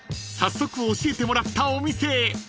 ［早速教えてもらったお店へ］